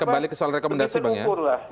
kembali ke soal rekomendasi bang ya